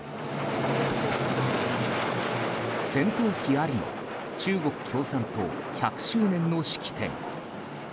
戦闘機ありの中国共産党１００周年の式典。